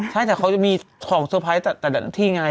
ใช่แต่เขาจะมีของเซอร์ไพรส์แต่ละที่ไง